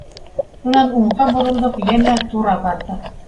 Шунан уңға боролдоҡ, йәнә тура барҙыҡ.